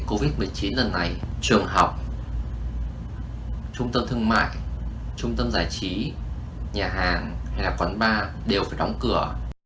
đối với đại dịch covid một mươi chín lần này trường học trung tâm thương mại trung tâm giải trí nhà hàng hay là quán bar đều phải đóng cửa